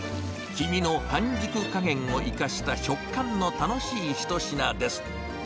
黄身の半熟加減を生かした食感の楽しい一品です。